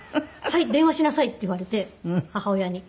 「はい。電話しなさい」って言われて母親に。